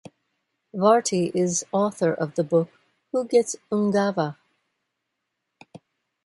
Varty is author of the book, Who Gets Ungava?